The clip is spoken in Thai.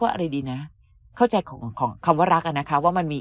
อะไรดีนะเข้าใจของของคำว่ารักอะนะคะว่ามันมี